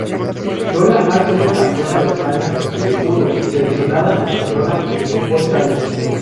Lola ha sido campeona de España de judo y seleccionada española en fútbol sala.